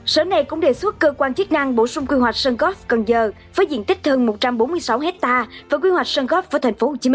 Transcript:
sở này cũng đề xuất cơ quan chức năng bổ sung quy hoạch sơn góp cần giờ với diện tích hơn một trăm bốn mươi sáu hectare và quy hoạch sơn góp vào tp hcm